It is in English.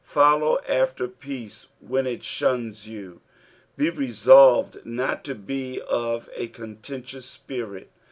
Follow after peace when it shuns you ; be resolved not to be of a contentious spirit.